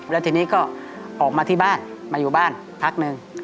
แล้วทีนี้ก็ออกมาที่บ้านมาอยู่บ้านพักหนึ่ง